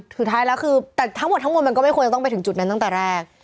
สุดท้ายแล้วคือแต่ทั้งหมดทั้งหมดมันก็ไม่ควรจะต้องไปถึงจุดนั้นตั้งแต่แรก